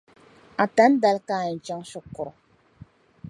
Atani dali ka n yεn chaŋ shikuru.